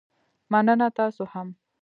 مننه، تاسو هم